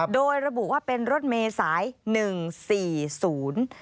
โดยระบุว่าเป็นรถเมษายหนึ่งสี่ศูนย์